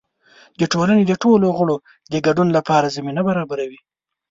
د ټولنې د ټولو غړو د ګډون لپاره زمینه برابروي.